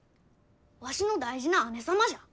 わしの大事な姉様じゃ。